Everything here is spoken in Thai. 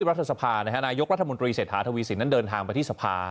รัฐสภานายกรัฐมนตรีเศรษฐาทวีสินนั้นเดินทางไปที่สภา